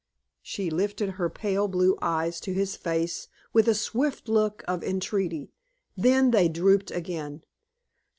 She lifted her pale blue eyes to his face with a swift look of entreaty, then they drooped again.